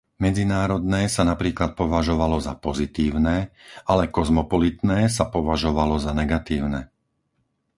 Medzinárodné sa napríklad považovalo za pozitívne, ale kozmopolitné sa považovalo za negatívne.